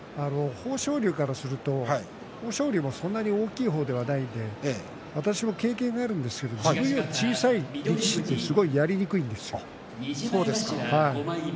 好調理由からすると豊昇龍も、そんなに大きい方ではないので私も経験があるんですがこういう小さい力士はやりにくいんです。